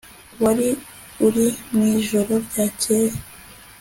wari uri mwijoro ryakeye